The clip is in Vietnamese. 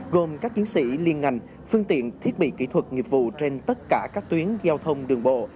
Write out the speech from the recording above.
gồm các chiến sĩ liên ngành phương tiện thiết bị kỹ thuật nghiệp vụ trên tất cả các tuyến giao thông đường bộ